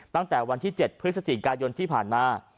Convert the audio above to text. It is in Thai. ตั้งแต่วันที่๗พฤศจิกายนที่ผ่านมา